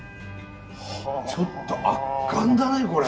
ちょっと圧巻だねこれ。